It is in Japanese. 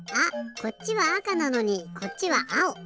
こっちはあかなのにこっちはあお！